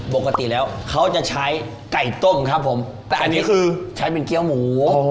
ปกติแล้วเขาจะใช้ไก่ต้มครับผมแต่อันนี้คือใช้เป็นเกี้ยวหมู